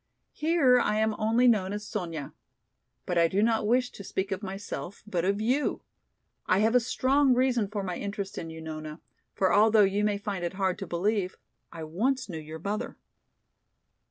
Here I am only known as 'Sonya.' But I do not wish to speak of myself, but of you. I have a strong reason for my interest in you, Nona, for although you may find it hard to believe, I once knew your mother."